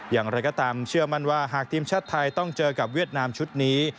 อย่างไรก็ตามเชื่อมั่นว่าหากทีมชาติไทยต้องเจอกับเวียดนามชุดนี้